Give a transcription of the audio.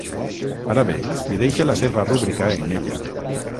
Ara bé hi deixa la seva rúbrica en ella.